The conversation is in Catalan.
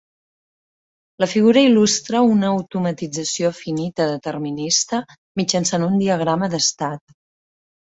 La figura il·lustra una automatització finita determinista mitjançant un diagrama d'estat.